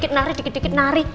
terus dikit dikit nari